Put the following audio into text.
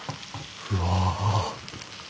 うわ。